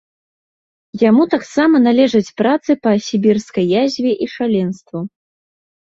Яму таксама належаць працы па сібірскай язве і шаленству.